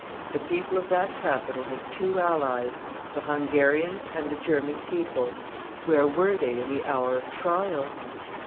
The people of that capital had two allies the Hungarians and the German people. Where were they in the hour of trial?